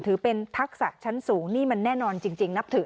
ถือเป็นทักษะชั้นสูงนี่มันแน่นอนจริงนับถือ